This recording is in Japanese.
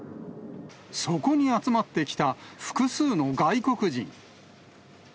そこに集まってきた複数の外国人。